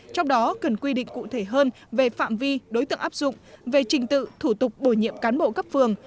trong đó cần quy định cụ thể hơn về phạm vi đối tượng áp dụng về trình tự thủ tục bồi nhiệm cán bộ cấp phường